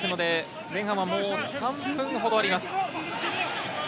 前半はもう３分ほどあります。